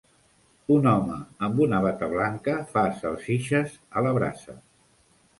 Un home amb una bata blanca fa salsitxes a la brasa.